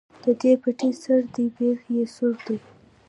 ـ دا دې پټي سر دى ،بېخ يې سورور دى.